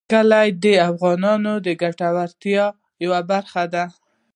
کلي د افغانانو د ګټورتیا یوه برخه ده.